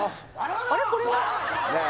あれこれはねえ